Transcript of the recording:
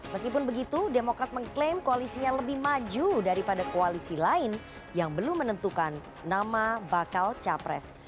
meskipun begitu demokrat mengklaim koalisinya lebih maju daripada koalisi lain yang belum menentukan nama bakal capres